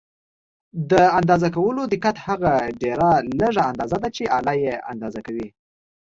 د اندازه کولو دقت هغه ډېره لږه اندازه ده چې آله یې اندازه کوي.